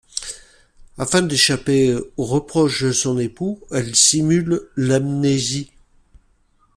Afin d'échapper aux reproches de son époux, elle simule l'amnésie.